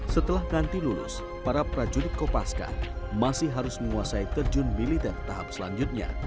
setelah nanti lulus para prajurit kopaska masih harus menguasai terjun militer tahap selanjutnya